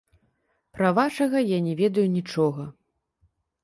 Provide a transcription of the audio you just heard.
Пра вашага я не ведаю нічога.